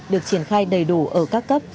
được triển khai đầy đủ ở các cấp